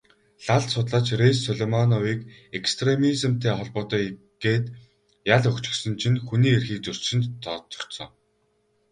Лал судлаач Райс Сулеймановыг экстремизмтэй холбоотой гээд ял өгчихсөн чинь хүний эрхийг зөрчсөнд тооцогдсон.